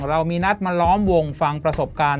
เรามีนัดมาล้อมวงฟังประสบการณ์